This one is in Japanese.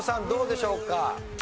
どうでしょうか？